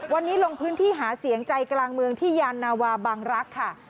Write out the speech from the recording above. วันนี้ลงพื้นที่หาเสียงใจกลางเมืองที่ยานนาวาบังรักษ์ค่ะ